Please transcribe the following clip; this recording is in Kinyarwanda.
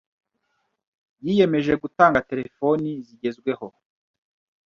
yiyemeje gutanga Telefoni zigezweho